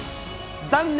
残念！